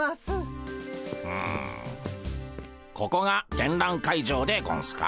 うんここが展覧会場でゴンスか。